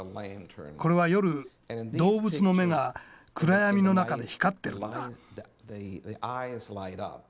これは夜動物の目が暗闇の中で光ってるんだ。